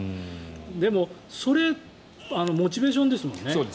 でもそれがモチベーションですもんね。